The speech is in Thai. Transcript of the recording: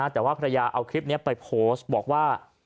แต่ว่าภรรยาเอาคลิปนี้ไปโพสต์บอกว่า